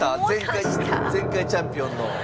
前回チャンピオンの。